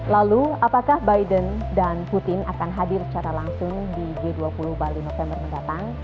lalu apakah biden dan putin akan hadir secara langsung di g dua puluh bali november mendatang